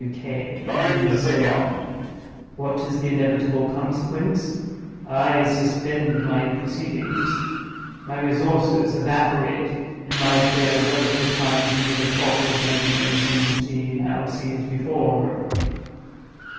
T. W. K.'—and so on. What is the inevitable consequence? I suspend my proceedings; my resources evaporate; and my fair relative finds me the pauper gentleman whom she now sees before her."